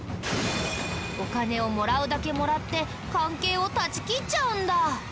お金をもらうだけもらって関係を断ち切っちゃうんだ。